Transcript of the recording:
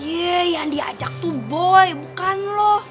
yeee yang diajak tuh boi bukan lo